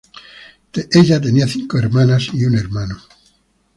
Ella tenía cinco hermanas y un hermano.